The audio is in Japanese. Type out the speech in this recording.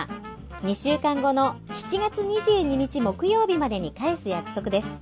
２週間後の７月２２日木曜日までに返す約束です。